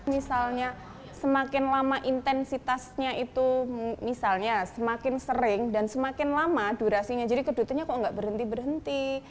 misalnya semakin lama intensitasnya itu misalnya semakin sering dan semakin lama durasinya jadi kedutunya kok nggak berhenti berhenti